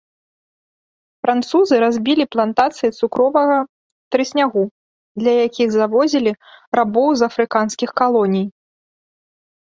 Французы разбілі плантацыі цукровага трыснягу, для якіх завозілі рабоў з афрыканскіх калоній.